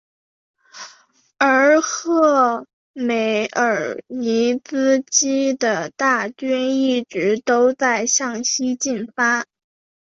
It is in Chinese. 而赫梅尔尼茨基的大军一直都在向西进发。